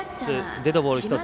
デッドボール１つ。